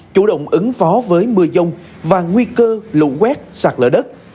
chủ động ứng phó với mưa dông và nguy cơ lụ quét sạc lỡ đất